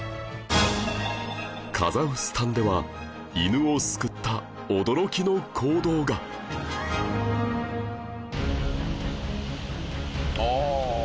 カザフスタンでは犬を救った驚きの行動がああ！